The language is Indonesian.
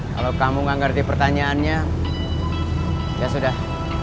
kalau kamu nggak ngerti pertanyaannya ya sudah